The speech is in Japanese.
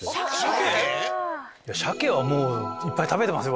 シャケはいっぱい食べてますよ。